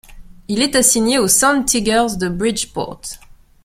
Il est assigné aux Sound Tigers de Bridgeport.